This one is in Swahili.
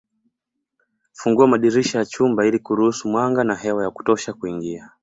Fungua madirisha ya chumba ili kuruhusu mwanga na hewa ya kutosha kuingia